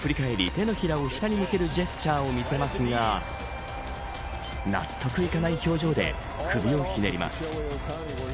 手のひらを下に向けるジェスチャーを見せますが納得いかない表情で首をひねります。